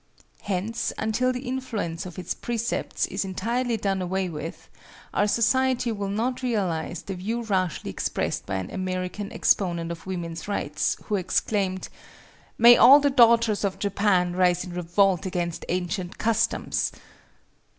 Hence, until the influence of its Precepts is entirely done away with, our society will not realize the view rashly expressed by an American exponent of woman's rights, who exclaimed, "May all the daughters of Japan rise in revolt against ancient customs!"